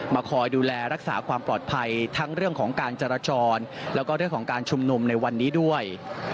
คอยดูแลรักษาความปลอดภัยทั้งเรื่องของการจราจรแล้วก็เรื่องของการชุมนุมในวันนี้ด้วย